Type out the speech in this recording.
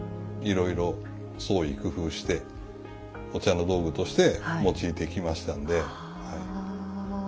いろいろ創意工夫してお茶の道具として用いてきましたんで。